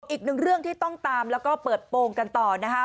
อีกหนึ่งเรื่องที่ต้องตามแล้วก็เปิดโปรงกันต่อนะคะ